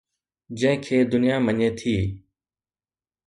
جنهن کي دنيا مڃي ٿي.